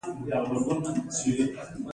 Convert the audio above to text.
بالاخره ملا پوونده د جګړې د اور خوراک کړ.